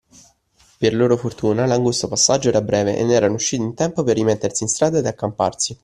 Per loro fortuna, l’angusto passaggio era breve e ne erano usciti in tempo per rimettersi in strada ed accamparsi